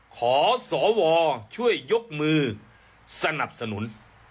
ขอสวช่วยยกมือสนับสนุน